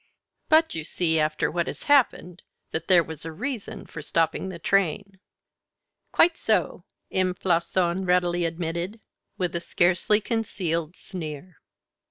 But you see, after what has happened, that there was a reason for stopping the train." "Quite so," M. Floçon readily admitted, with a scarcely concealed sneer.